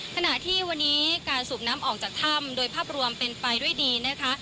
ขณะที่วันนี้การสูบน้ำออกจากถ้ำโดยภาพรวมเป็นไปด้วยดีนะคะ